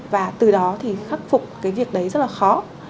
và từ đó thì khắc phục cái việc đấy rất là khó